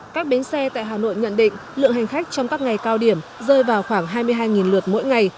các bến xe tại hà nội nhận định lượng hành khách trong các ngày cao điểm rơi vào khoảng hai mươi hai lượt mỗi ngày